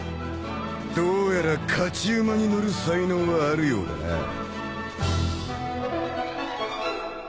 どうやら勝ち馬に乗る才能はあるようだな。